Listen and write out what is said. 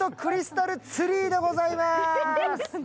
クリスマスツリーでございます。